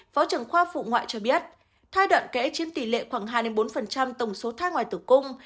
phó trưởng khoa phụ ngoại cho biết thai đoạn kẽ chiếm tỷ lệ khoảng hai bốn tổng số thai ngoài tử cung